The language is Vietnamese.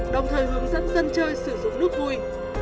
đồng thời hướng dẫn dân chơi sử dụng nước vui